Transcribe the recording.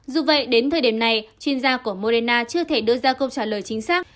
dù vậy đến thời điểm này chuyên gia của morena chưa thể đưa ra câu trả lời chính xác